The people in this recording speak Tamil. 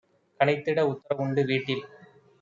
கனைத்திட உத்தர வுண்டு - வீட்டில்